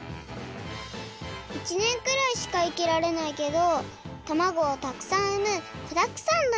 １年くらいしか生きられないけどたまごをたくさんうむこだくさんのいかだったよ。